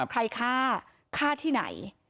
ใครฆ่าฆ่าที่ไหน